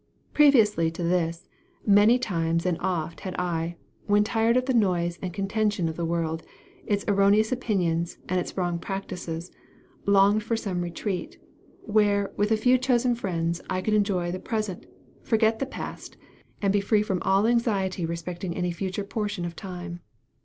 Previously to this, many times and oft had I (when tired of the noise and contention of the world, its erroneous opinions, and its wrong practices) longed for some retreat, where, with a few chosen friends, I could enjoy the present, forget the past, and be free from all anxiety respecting any future portion of time.